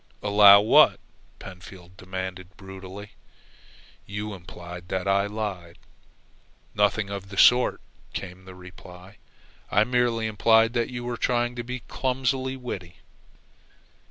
"Allow what?" Pentfield demanded brutally. "You implied that I lied." "Nothing of the sort," came the reply. "I merely implied that you were trying to be clumsily witty."